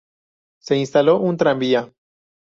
Se instaló un tranvía.